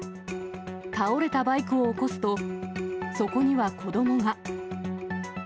倒れたバイクを起こすと、そこには子どもが。